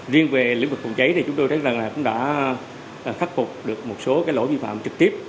riêng về lĩnh vực phòng cháy chúng tôi đã khắc phục được một số lỗi vi phạm trực tiếp